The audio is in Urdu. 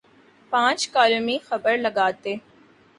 پانچ کالمی خبر لگاتے۔